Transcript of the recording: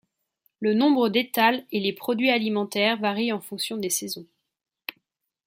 Le nombre d'étals et les produits alimentaires varient en fonction des saisons.